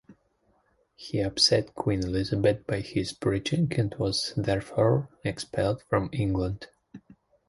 He upset Queen Elizabeth by his preaching and was therefore expelled from England.